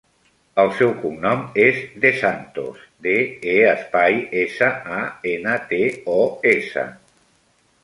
El seu cognom és De Santos: de, e, espai, essa, a, ena, te, o, essa.